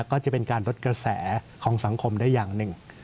ก็จะเป็นการลดกระแสของสังคมได้อย่างหนึ่ง